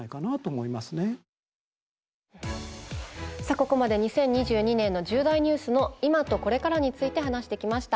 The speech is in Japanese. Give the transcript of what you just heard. ここまで２０２２年の重大ニュースの今とこれからについて話してきました。